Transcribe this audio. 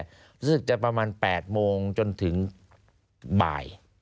รู้สึกจะประมาณ๘โมงจนถึงบ่าย